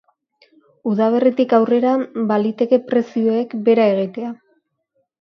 Udaberritik aurrera, baliteke prezioek behera egitea.